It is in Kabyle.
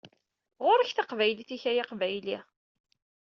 Ɣur-k taqbaylit-ik ay aqbayli!